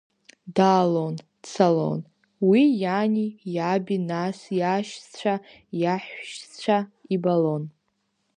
Даалон, дцалон, уи иани, иаби, нас иашьцәа, иаҳәшьцәа ибалон.